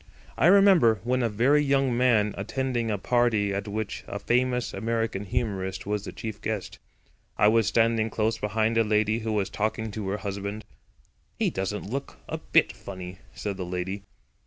I remember, when a very young man, attending a party at which a famous American humorist was the chief guest. I was standing close behind a lady who was talking to her husband. "He doesn't look a bit funny," said the lady.